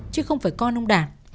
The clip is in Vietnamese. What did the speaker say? chứ không phải con ông đạt